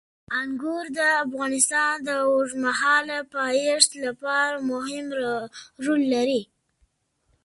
انګور د افغانستان د اوږدمهاله پایښت لپاره مهم رول لري.